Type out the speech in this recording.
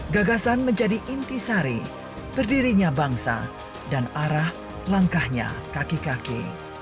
gagasan menjadi inti sari berdirinya bangsa dan arah langkahnya kaki kaki